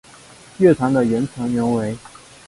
乐团的原成员为。